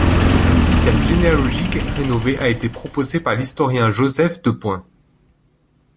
Un système généalogique rénové a été proposé par l'historien Joseph Depoin.